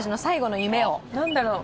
何だろう。